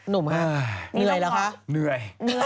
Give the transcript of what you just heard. นุ่มค่ะใหนี่ต้องคอล์ฟฮะ